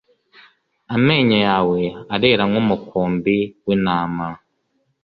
amenyo yawe arera nk'umukumbi w'intama